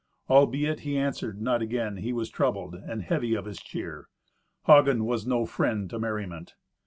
Albeit he answered not again, he was troubled, and heavy of his cheer. Hagen was no friend to merriment.